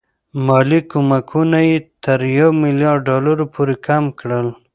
مالي کومکونه یې تر یو میلیارډ ډالرو پورې کم کړل.